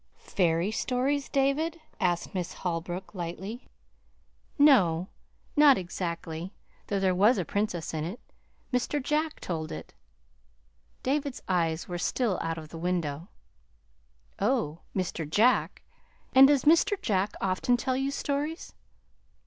"Fairy stories, David?" asked Miss Holbrook lightly. "No, not exactly, though there was a Princess in it. Mr. Jack told it." David's eyes were still out of the window. "Oh, Mr. Jack! And does Mr. Jack often tell you stories?"